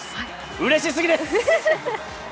うれし過ぎです！